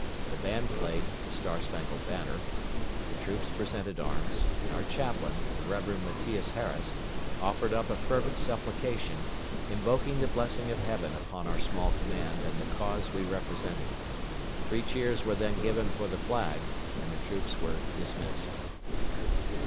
The band played "The Star spangled Banner," the troops presented arms, and our chaplain, the Rev. Matthias Harris, offered up a fervent supplication, invoking the blessing of Heaven upon our small command and the cause we represented. Three cheers were then given for the flag, and the troops were dismissed.